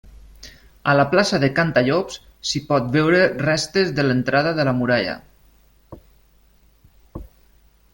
A la plaça de Cantallops s'hi pot veure restes de l'entrada de la muralla.